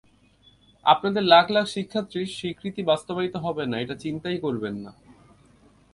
আপনাদের লাখ লাখ শিক্ষার্থীর স্বীকৃতি বাস্তবায়িত হবে না, এটা চিন্তাই করবেন না।